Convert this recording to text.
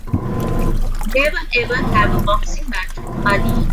Never ever have a boxing match with Ali!